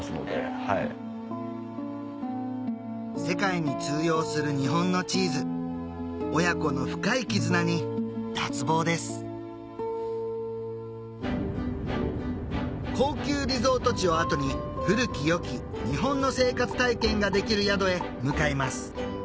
世界に通用する日本のチーズ親子の深い絆に脱帽です高級リゾート地を後に古き良き日本の生活体験ができる宿へ向かいます